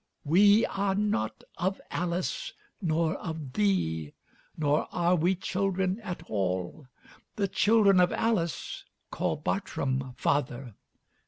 'We are not of Alice nor of thee, nor are we children at all. The children of Alice call Bartrum father.